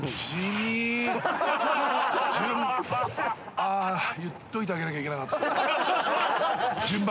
あ言っといてあげなきゃいけなかった。